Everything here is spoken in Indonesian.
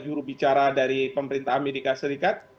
jurubicara dari pemerintah amerika serikat